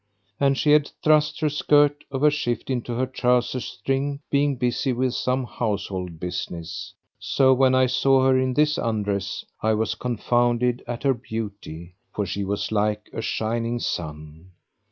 And she had thrust the skirt of her shift into her trousers string being busy with some household business. So when I saw her in this undress, I was confounded at her beauty, for she was like a shining sun.